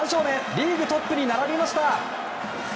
リーグトップに並びました！